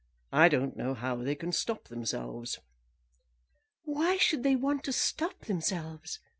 "I don't know how they can stop themselves." "Why should they want to stop themselves?"